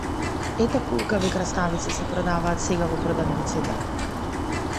Ете колкави краставици се продаваат сега во продавниците!